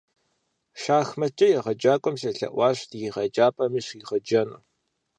Шахматкӏэ егъэджакӏуэм селъэӏуащ ди еджапӏэми щригъэджэну.